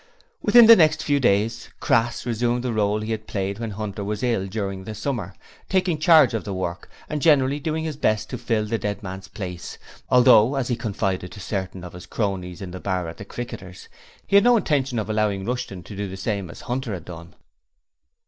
Within the next few days Crass resumed the role he had played when Hunter was ill during the summer, taking charge of the work and generally doing his best to fill the dead man's place, although as he confided to certain of his cronies in the bar of the Cricketers he had no intention of allowing Rushton to do the same as Hunter had done.